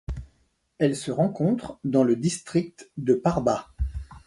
Elle se rencontre dans le district de Parbat.